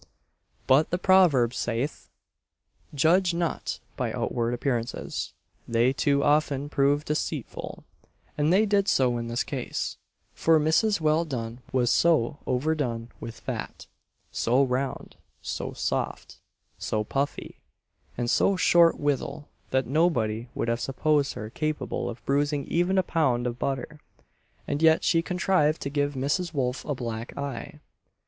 But the proverb saith "judge not by outward appearances they too often prove deceitful;" and they did so in this case; for Mrs. Welldone was so overdone with fat so round, so soft, so puffy, and so short withal, that nobody would have supposed her capable of bruising even a pound of butter; and yet she contrived to give Mrs. Wolf a black eye!